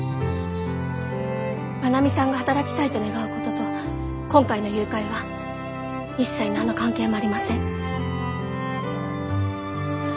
真奈美さんが働きたいと願うことと今回の誘拐は一切何の関係もありません。